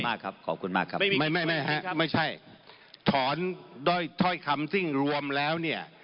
ไม่ไม่ใช่ถอนด้วยถ้อยคำซิ่งรวมแล้วเนี่ย